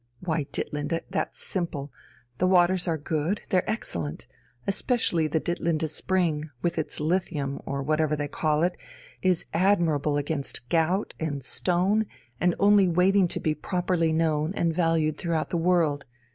"Why, Ditlinde, that's simple. The waters are good, they're excellent; especially the Ditlinde spring, with its lithium or whatever they call it, is admirable against gout and stone, and only waiting to be properly known and valued throughout the world.